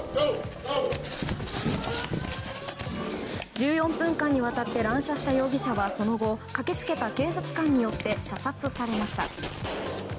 １４分間にわたって乱射した容疑者は、その後駆けつけた警察官によって射殺されました。